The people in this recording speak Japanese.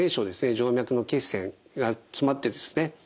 静脈の血栓が詰まってですね